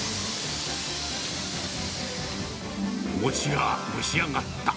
お餅が蒸し上がった。